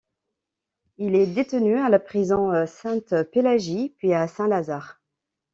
Il est détenu à la prison Sainte-Pélagie puis à Saint-Lazare.